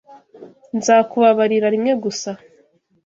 Nzakubabarira rimwe gusa.